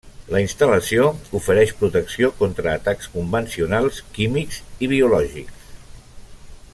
La instal·lació ofereix protecció contra atacs convencionals, químics i biològics.